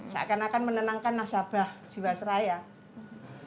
seakan akan menenangkan nasabah jawa selayaputra